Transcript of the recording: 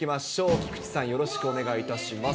菊池さん、よろしくお願いいたします。